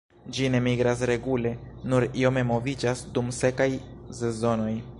Ĝi ne migras regule, nur iome moviĝas dum sekaj sezonoj.